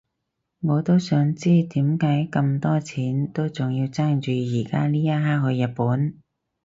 我都想知點解畀咁多錢都要爭住而家呢一刻去日本